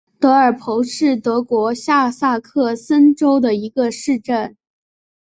德尔彭是德国下萨克森州的一个市镇。